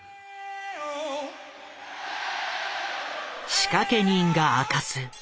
仕掛け人が明かす